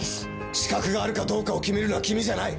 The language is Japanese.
資格があるかどうかを決めるのは君じゃない。